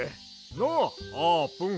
なっあーぷん。